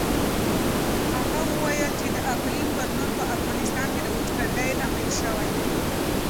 هغه وویل چې د اقلیم بدلون په افغانستان کې د وچکالۍ لامل شوی.